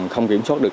không kiểm soát được